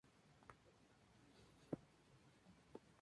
La principal ciudad de esta región es Šabac.